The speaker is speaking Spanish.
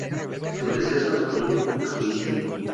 Su deceso se produjo por suicidio.